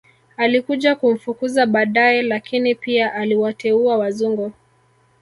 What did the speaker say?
Alikuja kumfukuza badae lakini pia aliwateua wazungu